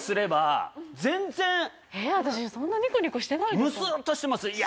でもえ私そんなニコニコしてないですか？